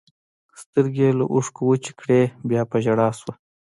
سترګې یې له اوښکو وچې کړې، بیا په ژړا شوه.